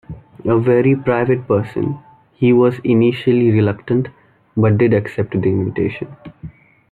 A very private person, he was initially reluctant, but did accept the invitation.